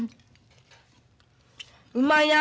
うまいな。